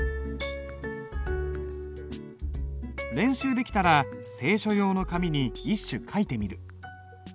練習できたら清書用の紙に一首書いてみる。